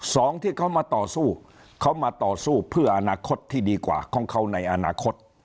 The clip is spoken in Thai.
สองที่เขามาต่อสู้เขามาต่อสู้เพื่ออนาคตที่ดีกว่าของเขาในอนาคต